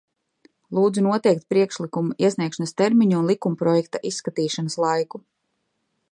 Lūdzu noteikt priekšlikumu iesniegšanas termiņu un likumprojekta izskatīšanas laiku!